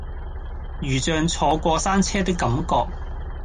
如像坐過山車的感覺